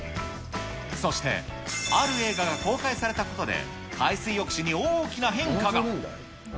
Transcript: そして、ある映画が公開されたことで、海水浴史に大きな変化が。